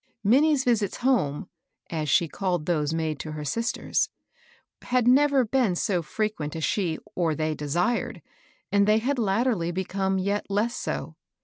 Minnie's visits home — as she called those made to her sister's — had never been so frequent as she or they desired, and they had latterly become yet less so.